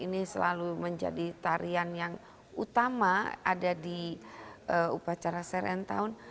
ini selalu menjadi tarian yang utama ada di upacara serentown